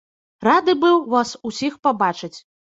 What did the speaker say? Рады быў вас усіх пабачыць.